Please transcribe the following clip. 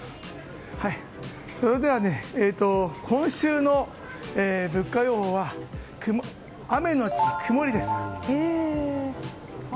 それでは、今週の物価予報は雨のち曇りです。